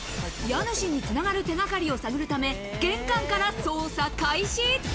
家主に繋がる手がかりを探るため、玄関から捜査開始。